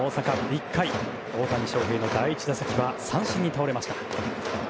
１回、大谷翔平の第１打席は三振に倒れました。